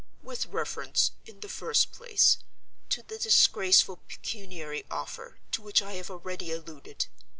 With reference, in the first place, to the disgraceful pecuniary offer, to which I have already alluded.